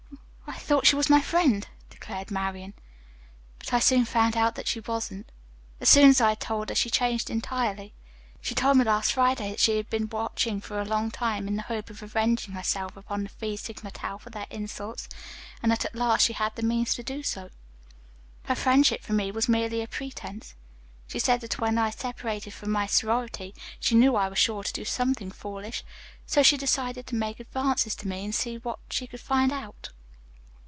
"I thought she was my friend," declared Marian, "but I soon found out that she wasn't. As soon as I had told her, she changed entirely. She told me last Friday that she had been watching for a long time in the hope of revenging herself upon the Phi Sigma Tau for their insults, and that at last she had the means to do so. "Her friendship for me was merely a pretense. She said that when I separated from my sorority she knew I was sure to do something foolish, so she decided to make advances to me and see what she could find out.